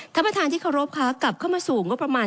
ท่านประธานที่เคารพค่ะกลับเข้ามาสู่งบประมาณ